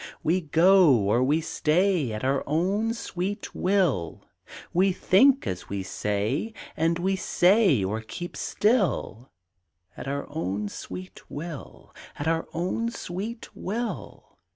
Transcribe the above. We go or we stay At our own sweet will; We think as we say, And we say or keep still At our own sweet will, At our own sweet will.